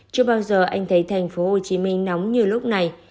chưa bao giờ anh thấy thành phố hồ chí minh nóng như lúc này